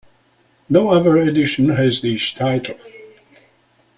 No other edition has this title.